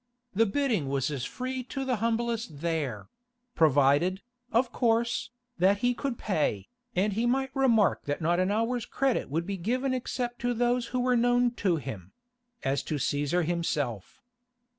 The bidding was as free to the humblest there—provided, of course, that he could pay, and he might remark that not an hour's credit would be given except to those who were known to him—as to Cæsar himself.